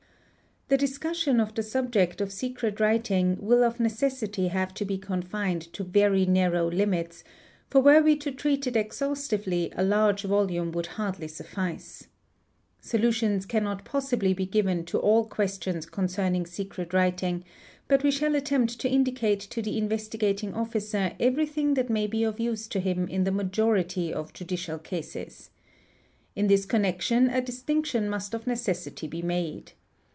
: The discussion of the subject of secret writing will of necessity have _ to be confined to very narrow limits, for were we to treat it exhaustively a large volume would hardly suffice. Solutions cannot possibly be given _ to all questions concerning secret writing, but we shall attempt to indi cate to the Investigating Officer everything that may be of use to him in _ the majority of judicial cases. In this connection a distinction must of necessity be made.